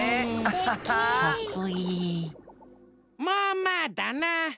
まあまあだな。